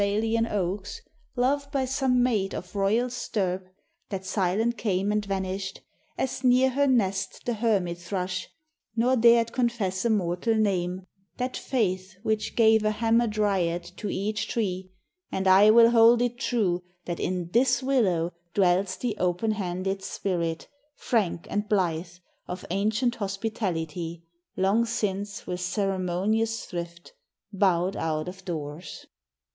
Under Thessalian oaks, loved by some maid Of royal stirp, that silent came and vanished, As near her nest the hermit thrush, nor dared Confess a mortal name, that faith which gave A Hamadryad to each tree ; and I Will hold it true that in this willow dwells The open handed spirit, frank and blithe, Of ancient Hospitality, long since, With ceremonious thrift, bowed out of doors.